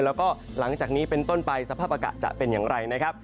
แล้วก็หลังจากนี้เป็นต้นไปสภาพอากาศจะเป็นอย่างไรนะครับ